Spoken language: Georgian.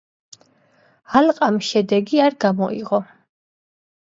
ალყამ შედეგი არ გამოიღო.